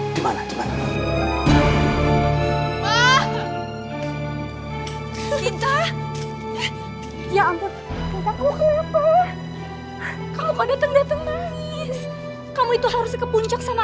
gimana gimana maaf kita ya ampun aku kelepas kamu pada tengah tengah kamu itu harus ke puncak sama